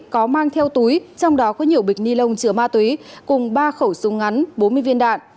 có mang theo túi trong đó có nhiều bịch ni lông chứa ma túy cùng ba khẩu súng ngắn bốn mươi viên đạn